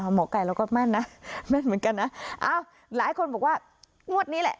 หมอไก่เราก็แม่นนะแม่นเหมือนกันนะอ้าวหลายคนบอกว่างวดนี้แหละ